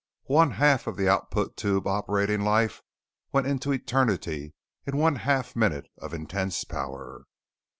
One half of the output tube operating life went into Eternity in one half minute of intense power.